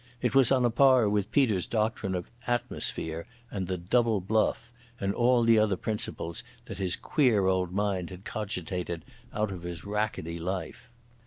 It was on a par with Peter's doctrine of "atmosphere" and "the double bluff" and all the other principles that his queer old mind had cogitated out of his rackety life.